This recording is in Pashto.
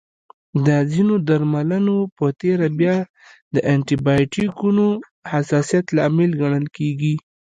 د ځینو درملنو په تېره بیا د انټي بایوټیکونو حساسیت لامل ګڼل کېږي.